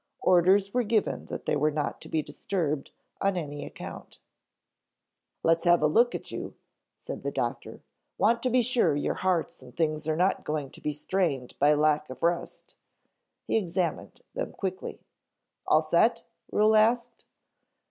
Orders were given that they were not to be disturbed on any account. "Let's have a look at you," said the doctor. "Want to be sure your hearts and things are not going to be strained by lack of rest." He examined them quickly. "All set?" Ruhel asked.